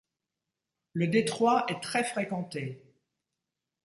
Le détroit est très fréquenté.